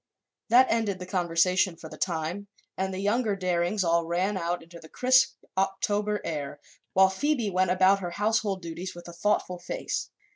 That ended the conversation, for the time, and the younger Darings all ran out into the crisp October air while Phoebe went about her household duties with a thoughtful face.